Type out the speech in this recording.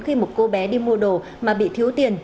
khi một cô bé đi mua đồ mà bị thiếu tiền